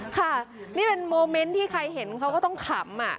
ค่ะนี่เป็นโมเมนต์ที่ใครเห็นเขาก็ต้องขำ